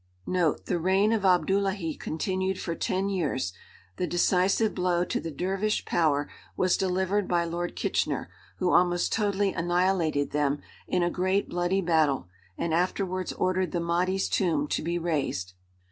* [*The reign of Abdullahi continued for ten years. The decisive blow to the dervish power was delivered by Lord Kitchener, who almost totally annihilated them in a great bloody battle and afterwards ordered the Mahdi's tomb to be razed.